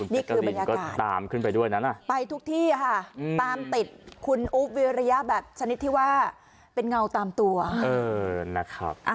นี่คือบรรยากาศไปทุกที่ค่ะตามติดคุณอู๊บวิริยาแบบชนิดที่ว่าเป็นเงาตามตัวเออนะครับ